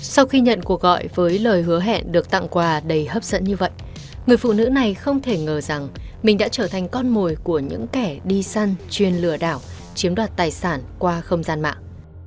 sau khi nhận cuộc gọi với lời hứa hẹn được tặng quà đầy hấp dẫn như vậy người phụ nữ này không thể ngờ rằng mình đã trở thành con mồi của những kẻ đi săn chuyên lừa đảo chiếm đoạt tài sản qua không gian mạng